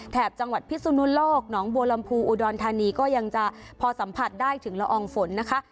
จังหวัดพิสุนุโลกหนองบัวลำพูอุดรธานีก็ยังจะพอสัมผัสได้ถึงละอองฝนนะคะ